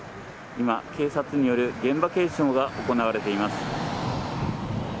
今、警察による現場検証が行われています。